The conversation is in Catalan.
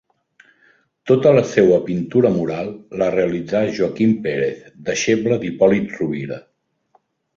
Tota la seua pintura mural la realitzà Joaquim Pérez, deixeble d'Hipòlit Rovira.